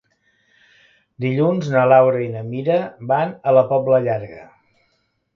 Dilluns na Laura i na Mira van a la Pobla Llarga.